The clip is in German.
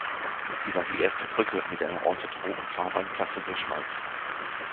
Sie war die erste Brücke mit einer orthotropen Fahrbahnplatte der Schweiz.